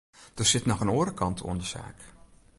Der sit noch in oare kant oan de saak.